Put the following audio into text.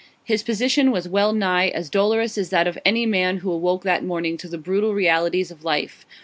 His position was well nigh as dolorous as that of any man who awoke that morning to the brutal realities of life.